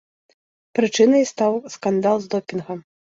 Прычынай стаў скандал з допінгам.